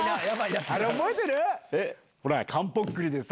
あれ覚えてる？